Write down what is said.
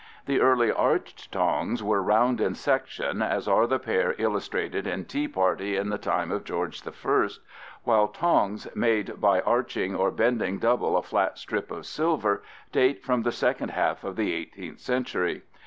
The early arched tongs were round in section, as are the pair illustrated in Tea Party in the Time of George I (fig. 5), while tongs made by arching or bending double a flat strip of silver (fig. 17) date from the second half of the 18th century.